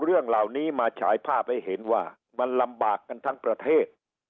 เรื่องเหล่านี้มาฉายภาพให้เห็นว่ามันลำบากกันทั้งประเทศ